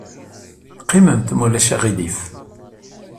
Qqimemt, ma ulac aɣilif.